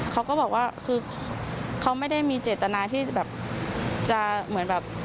เขาก็บอกว่าคือเขาไม่ได้มีเจตนาที่แบบ